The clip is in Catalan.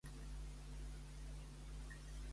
Per quin motiu va rebre crítiques Tardà?